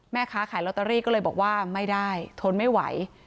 แม่ค้าขายลอตเตอรี่ก็เลยบอกว่าไม่ได้ทนไม่ไหว